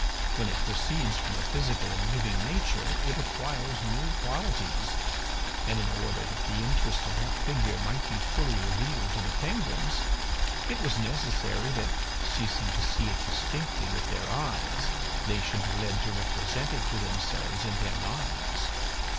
When it proceeds from a physical and living nature it acquires new qualities, and in order that the interest of that figure might be fully revealed to the penguins it was necessary that, ceasing to see it distinctly with their eyes, they should be led to represent it to themselves in their minds.